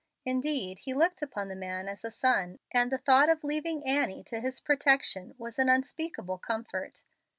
Indeed, he looked upon the young man as a son, and the thought of leaving Annie to his protection was an unspeakable comfort.